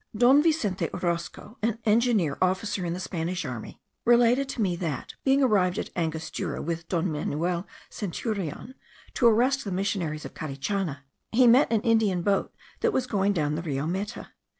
Don Vicente Orosco, an engineer officer in the Spanish army, related to me that, being arrived at Angostura, with Don Manuel Centurion, to arrest the missionaries of Carichana, he met an Indian boat that was going down the Rio Meta.